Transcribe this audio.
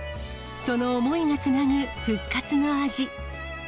その思いがつなぐ復活の味。